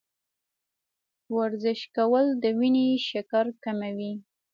ورزش کول د وینې شکر کموي.